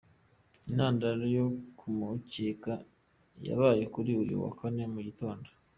Intandaro yo kumukeka yabaye kuri uyu wa Kane mu gitondo.